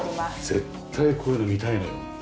絶対こういうの見たいのよ。